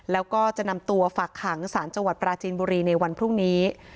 แล้วก็จะนำกันถึงฝากแข็งในสหรัฐปราจีนบุรีในวันพรุ่งนี้